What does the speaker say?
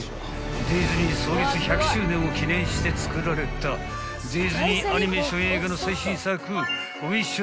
ディズニー創立１００周年を記念して作られたディズニー・アニメーション映画の最新作『ウィッシュ』の］